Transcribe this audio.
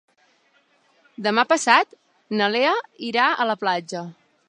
Demà passat na Lea irà a la platja.